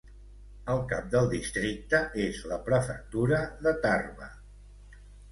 El cap del districte és la prefectura de Tarba.